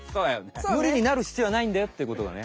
むりになるひつようはないんだよっていうことがね